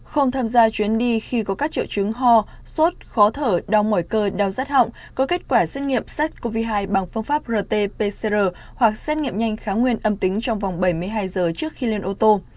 không tham gia chuyến đi khi có các triệu chứng ho sốt khó thở đau mỏi cơ đau rát họng có kết quả xét nghiệm xét covid một mươi chín bằng phương pháp prote pcr hoặc xét nghiệm nhanh khá nguyên âm tính trong vòng bảy mươi hai giờ trước khi lên ô tô